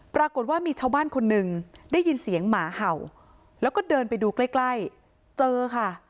ปรากฏว่ามีชาวบ้านคนหนึ่งได้ยินเสียงหมาเห่าแล้วก็เดินไปดูใกล้ใกล้เจอค่ะ